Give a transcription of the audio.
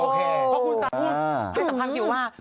คุณสานคือ